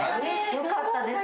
よかったです